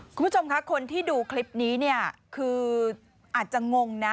คุณผู้ชมคะคนที่ดูคลิปนี้เนี่ยคืออาจจะงงนะ